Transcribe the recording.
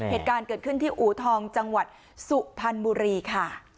เหตุการณ์เกิดขึ้นที่อูทองจังหวัดสุพรรณบุรีค่ะ